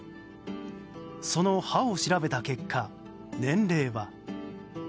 その歯を調べた結果、年齢は。